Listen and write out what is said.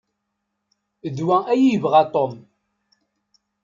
D wa ay yebɣa Tom.